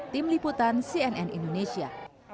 tim liputan cnn indonesia